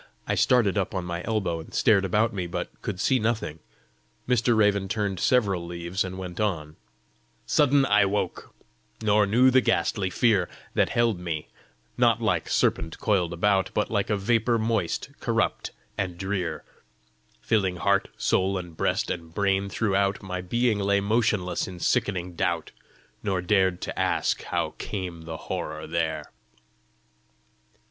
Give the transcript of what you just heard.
I started up on my elbow and stared about me, but could see nothing. Mr. Raven turned several leaves, and went on: "Sudden I woke, nor knew the ghastly fear That held me not like serpent coiled about, But like a vapour moist, corrupt, and drear, Filling heart, soul, and breast and brain throughout; My being lay motionless in sickening doubt, Nor dared to ask how came the horror here.